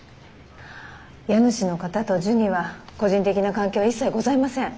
家主の方とジュニは個人的な関係は一切ございません。